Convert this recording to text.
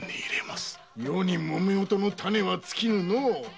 世にもめごとは尽きぬのう。